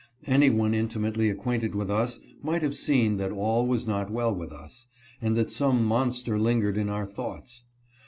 Any one intimately acquainted with us might have seen that all was not well with us, and that some monster lingered in our thoughts.